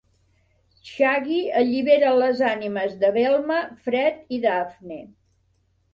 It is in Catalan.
Shaggy allibera les ànimes de Velma, Fred i Daphne.